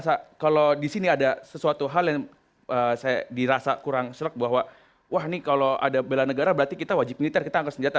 nah kalau di sini ada sesuatu hal yang saya dirasa kurang selek bahwa wah ini kalau ada bela negara berarti kita wajib militer kita angkat senjata